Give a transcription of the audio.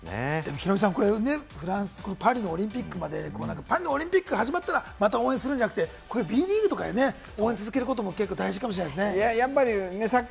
ヒロミさん、フランス・パリのオリンピックまでオリンピックが始まったら応援するじゃなくて、Ｂリーグとかで応援を続けることも大事かもしれないですね。